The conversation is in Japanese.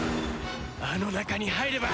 あの中に入れば！